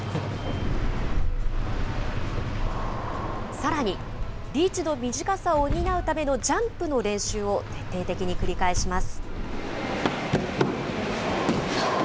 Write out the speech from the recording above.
さらに、リーチの短さを補うためのジャンプの練習を徹底的に繰り返します。